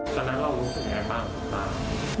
ตอนนั้นเรารู้สึกอย่างไรบ้างบ้าง